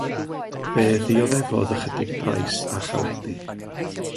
Fe ddioddefodd ychydig drais a chaledi.